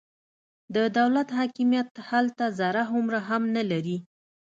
د دولت حاکمیت هلته ذره هومره هم نه لري.